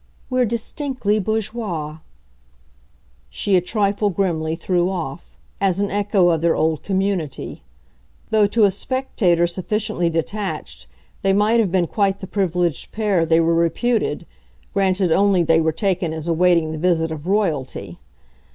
"We're distinctly bourgeois!" she a trifle grimly threw off, as an echo of their old community; though to a spectator sufficiently detached they might have been quite the privileged pair they were reputed, granted only they were taken as awaiting the visit of Royalty.